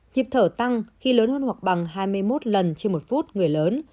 nhịp thở tăng khi lớn hơn hoặc bằng hai mươi một lần trên một phút người lớn